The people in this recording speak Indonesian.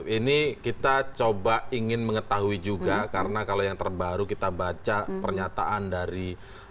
ini kita coba ingin mengetahui juga karena kalau yang terbaru kita baca pernyataan dari